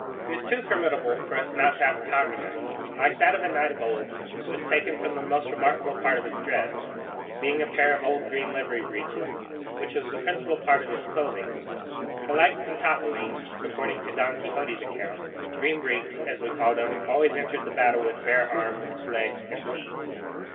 He was too formidable to us not to have a cognomen, and, like that of a knight of old, it was taken from the most remarkable part of his dress, being a pair of old green livery breeches, which was the principal part of his clothing; for, like Pentapolin, according to Don Quixote's account, Green Breeks, as we called him, always entered the battle with bare arms, legs, and feet.